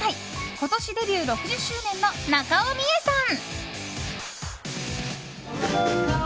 今年、デビュー６０周年の中尾ミエさん。